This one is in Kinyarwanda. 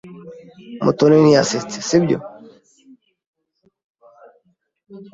Mutoni ntiyasetse, sibyo?